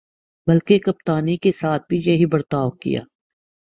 بلکہ کپتانی کے ساتھ بھی یہی برتاؤ کیا۔